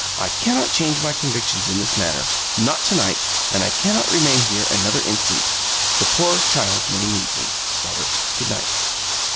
I cannot change my convictions in this matter not to night and I cannot remain here another instant. The poor child may need me. Robert, good night."